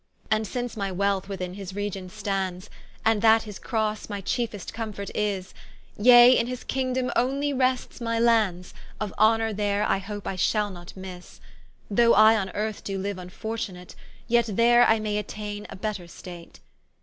And since my wealth within his Region stands, And that his Crosse my chiefest comfort is, Yea in his kingdome onely rests my lands, Of honour there I hope I shall not misse: Though I on earth doe liue vnfortunate, Yet there I may attaine a better state.